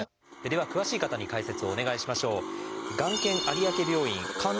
では詳しい方に解説をお願いしましょう。